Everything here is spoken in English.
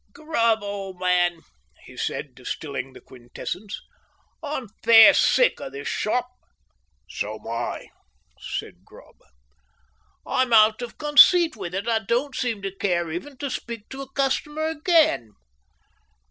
"Grubb, o' man," he said, distilling the quintessence, "I'm fair sick of this shop." "So'm I," said Grubb. "I'm out of conceit with it. I don't seem to care ever to speak to a customer again."